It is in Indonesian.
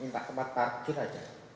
minta tempat parkir aja